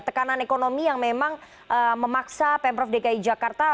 tekanan ekonomi yang memang memaksa pemprov dki jakarta